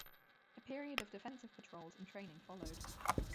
A period of defensive patrols and training followed.